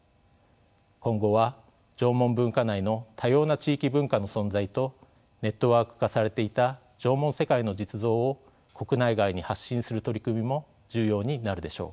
今後は縄文文化内の多様な地域文化の存在とネットワーク化されていた縄文世界の実像を国内外に発信する取り組みも重要になるでしょう。